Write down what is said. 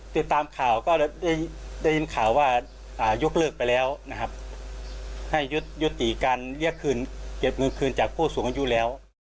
ติดตามข่าวก็ได้ยินข่าวว่ายกเลิกไปแล้วนะครับให้ยุติการเก็บเงินคืนจากผู้สูงอายุแล้ว